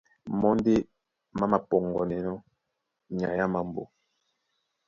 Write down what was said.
Mɔ́ ndé ɓá māpɔŋgɔnɛnɔ́ nyay á mambo.